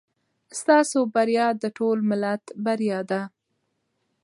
ستاسو بریا د ټول ملت بریا ده.